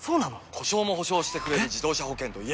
故障も補償してくれる自動車保険といえば？